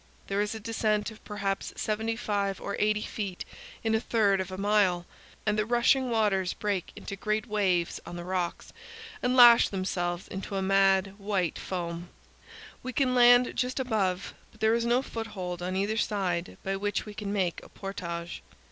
There is a descent of perhaps 75 or 80 feet in a third of a mile, and the rushing waters break into great waves powell canyons 160.jpg RUNNING A RAPID. on the rocks, and lash themselves into a mad, white foam. We can land just above, but there is no foothold on either side by which we can make a portage.